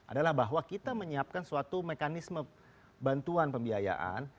adalah bahwa kita menyiapkan suatu mekanisme bantuan pembiayaan